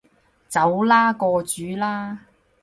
走啦，過主啦